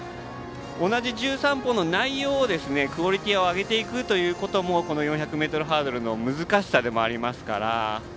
同じ１３歩の内容をクオリティーを上げていくということもこの４００ｍハードルの難しさでもありますから。